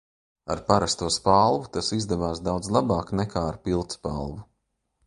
Ar parasto spalvu tas izdevās daudz labāk nekā ar pildspalvu.